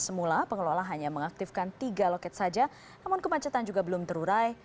semula pengelola hanya mengaktifkan tiga loket saja namun kemacetan juga belum terurai